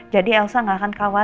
jadi elsa nggak akan kawasan